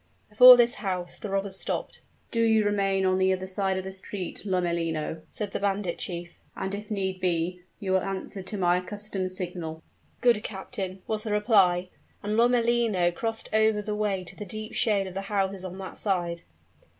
Before this house the robbers stopped. "Do you remain on the other side of the street, Lomellino," said the bandit chief; "and if need be, you will answer to my accustomed signal." "Good, captain," was the reply; and Lomellino crossed over the way to the deep shade of the houses on that side.